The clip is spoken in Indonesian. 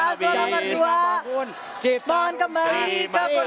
mohon kembali ke pustinya